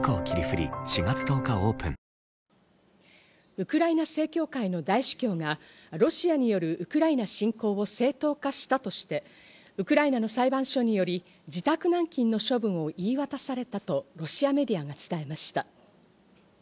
ウクライナ正教会の大主教がロシアによるウクライナ侵攻を正当化したとして、ウクライナの裁判所により自宅軟禁の処分を言い渡されたとロシアメディアが伝えました。